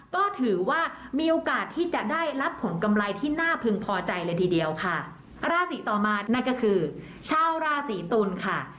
ก็ถือว่ามีโอกาสที่จะได้รับผลกำไรที่น่าพึงพอใจเลยทีเดียวค่ะราศีต่อมานั่นก็คือชาวราศีตุลค่ะ